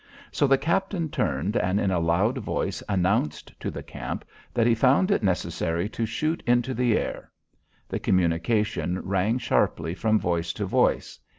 So the captain turned, and in a loud voice announced to the camp that he found it necessary to shoot into the air. The communication rang sharply from voice to voice.